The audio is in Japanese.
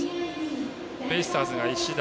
ベイスターズが石田。